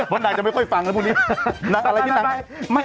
ว่าในนักจะไม่ค่อยฟังหรือผู้นี้